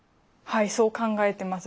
はいそう考えてます。